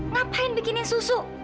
ngapain bikinin susu